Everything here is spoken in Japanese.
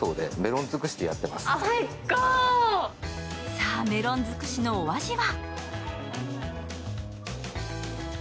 さあメロン尽くしのお味は？